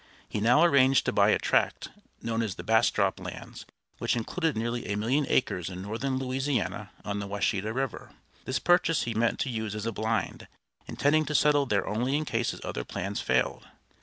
He now arranged to buy a tract, known as the Bastrop lands, which included nearly a million acres in northern Louisiana on the Washita River. This purchase he meant to use as a blind, intending to settle there only in case his other plans failed.